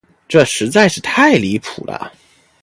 这实在是太离谱了。